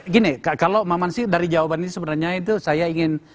gini kalau maman sih dari jawaban ini sebenarnya itu saya ingin